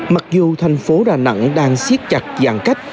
mặc dù thành phố đà nẵng đang siết chặt dàn cách